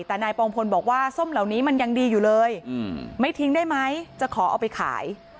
แต่นายปองพลบอกว่าส้มเหล่านี้มันยังดีอยู่เลยไม่ทิ้งได้ไหมจะขอเอาไปขาย